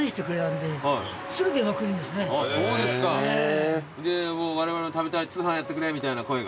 でもう「われわれも食べたい」「通販やってくれ」みたいな声が。